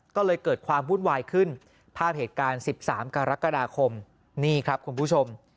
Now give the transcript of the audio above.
ก็เลยเกิดความวุ่นวายขึ้นภาพเหตุการณ์๑๓กรกฎาคมนี่ครับคุณผู้ชม